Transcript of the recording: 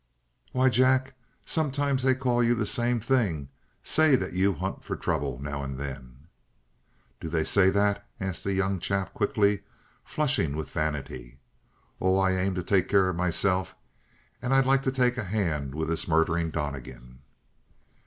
"Why, Jack, sometimes they call you the same thing; say that you hunt for trouble now and then!" "Do they say that?" asked the young chap quickly, flushing with vanity. "Oh, I aim to take care of myself. And I'd like to take a hand with this murdering Donnegan."